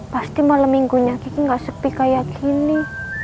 pasti malam minggunya kiki gak sepi kayak gini